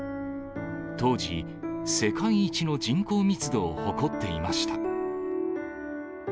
当時、世界一の人口密度を誇っていました。